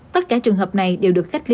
tất cả trường hợp này đều được cách ly